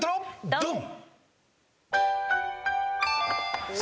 ドン！